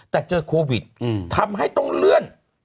แต่ไม่รู้จะเข้าประเทศได้เมื่อไหร่